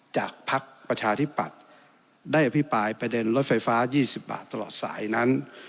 พักประชาธิปัตย์ได้อภิปรายประเด็นรถไฟฟ้า๒๐บาทตลอดสายนั้น